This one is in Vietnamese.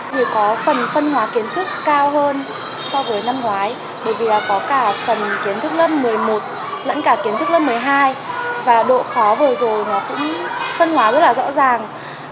thì có phần phân hóa kiến thức cao hơn so với năm ngoái bởi vì có cả phần kiến thức lớp một mươi một lẫn cả kiến thức lớp một mươi hai và độ khó vừa rồi nó cũng phân hóa rất là rõ ràng